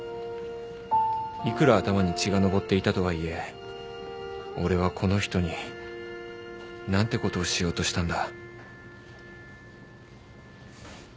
いくら頭に血が上っていたとはいえ俺はこの人に何てことをしようとしたんだ